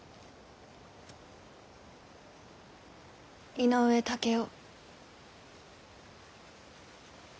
井上竹雄。